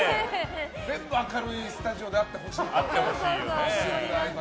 全部明るいスタジオであってほしい。